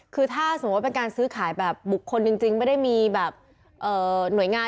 คือถ้าสมมุติว่าเป็นการซื้อขายแบบบุคคลจริงไม่ได้มีแบบหน่วยงาน